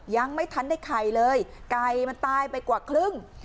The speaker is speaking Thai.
ยังไม่ทันได้ไข่เลยไก่มันตายไปกว่าครึ่ง